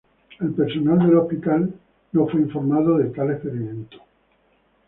El personal del hospital no fue informado de tal experimento.